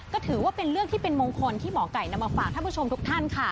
ก็ถือว่าเป็นเรื่องที่เป็นมงคลที่หมอไก่นำมาฝากท่านผู้ชมทุกท่านค่ะ